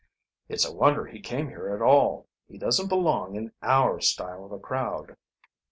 "It's a wonder he came here at all. He doesn't belong in our style of a crowd."